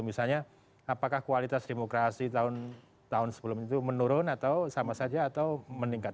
misalnya apakah kualitas demokrasi tahun sebelum itu menurun atau sama saja atau meningkat